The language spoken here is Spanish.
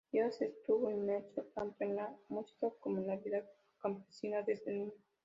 Díaz estuvo inmerso tanto en la música como en la vida campesina desde niño.